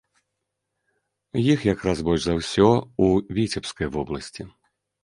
Іх як раз больш за ўсё ў віцебскай вобласці.